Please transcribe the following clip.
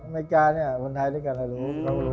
อเมริกาเนี่ยคนไทยด้วยกันเรารู้